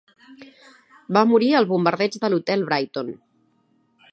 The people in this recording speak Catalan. Va morir al bombardeig de l'hotel Brighton.